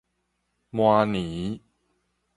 明年